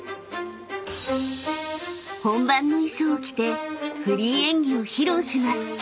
［本番の衣装を着てフリー演技を披露します］